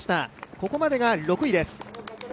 ここまでが６位です。